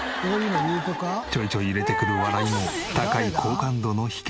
ちょいちょい入れてくる笑いも高い好感度の秘訣。